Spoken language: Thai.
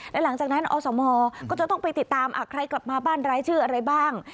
และหลังจากนั้นอสมก็จะต้องไปติดตามใครกลับมาบ้านรายชื่ออะไรบ้าง